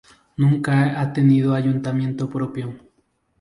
Nunca ha tenido ayuntamiento propio.